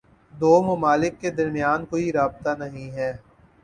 دو ممالک کے درمیان کوئی رابطہ نہیں ہے۔